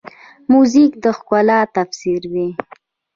موزیک د ښکلا تفسیر دی.